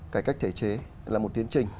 cải cách thể chế là một tiến trình